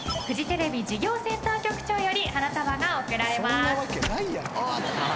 フジテレビ事業センター局長より花束が贈られます。